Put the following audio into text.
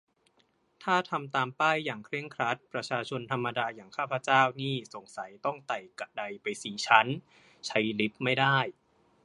ถ้าทำตามป้ายอย่างเคร่งครัด ประชาชนธรรมดาอย่างข้าพเจ้านี่สงสัยต้องไต่กะไดไปสี่ชั้น ใช้ลิฟต์ไม่ได้